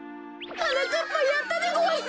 はなかっぱやったでごわす！